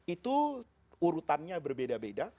itu urutannya berbeda beda